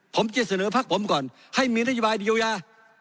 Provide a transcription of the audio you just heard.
ผมจะเสนอพักผมก่อนให้มีนโยบายเยียวยา